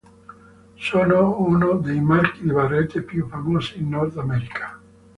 Sono uno dei marchi di barrette più famose in Nord America.